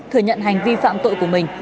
thừa nhận hành vi phạm tội của mình